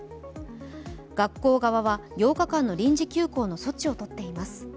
学校側は８日間の臨時休校の措置をとっています。